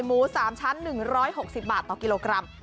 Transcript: หมู๓ชั้น๑๖๐บาทต่อกิโลกรัม